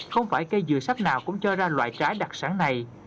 không phải cây dừa sắp nào cũng cho ra loại trái đặc sản này